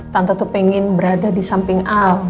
tanpa tuh pengen berada di samping al